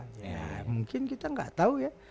ya mungkin kita nggak tahu ya